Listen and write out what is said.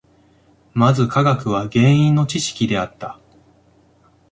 まず科学は原因の知識であった。